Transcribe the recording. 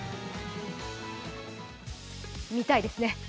見たいですね。